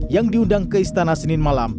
yang diundang ke istana senin malam